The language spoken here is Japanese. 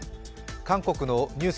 韓国のニュース